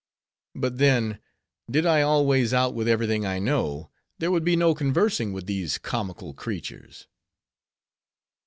But then, did I always out with every thing I know, there would be no conversing with these comical creatures.